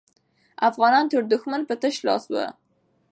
افغانان تر دښمن په تش لاس وو.